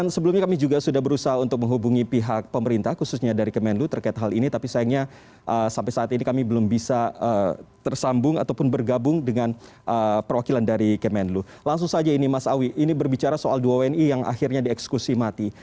selamat sore dan semoga sehat